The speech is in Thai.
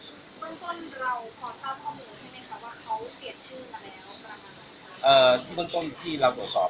เบื้องต้นเราพอทราบข้อมูลใช่ไหมครับ